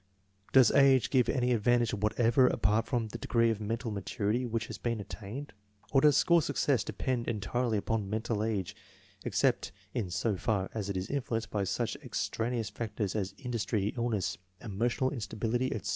Does age give any advantage whatever apart from the degrfee of mental maturity which has been attained, or does school success depend entirely upon mental age, except in so far as it is influenced by such extraneous factors as industry, illness, emotional instability, etc.?